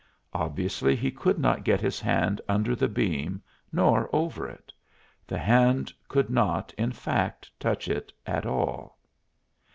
Obviously he could not get his hand under the beam nor over it; the hand could not, in fact, touch it at all.